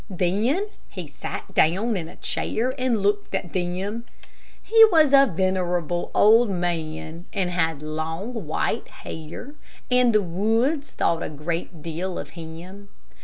Then he sat down in a chair and looked at them. He was a venerable old man, and had long, white hair, and the Woods thought a great deal of him.